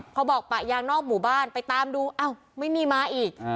พอบอกปะยางนอกหมู่บ้านไปตามดูอ้าวไม่มีมาอีก